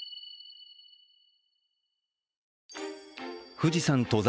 富士山登山